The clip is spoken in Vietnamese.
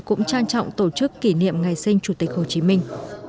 cũng trang trọng tổ chức kỷ niệm ngày sinh chủ tịch hồ chí minh